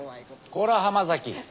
こら浜崎。